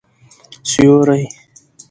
سیوری